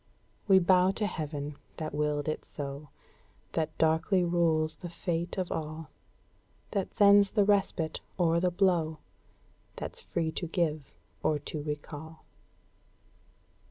We bow to heaven that willed it so, That darkly rules the fate of all, That sends the respite or the blow, That's free to give or to recall."